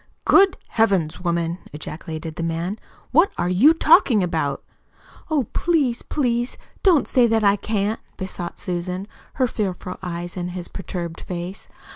"Good Heavens, woman!" ejaculated the man. "What are you talking about?" "Oh, please, please don't say that I can't," besought Susan, her fearful eyes on his perturbed face.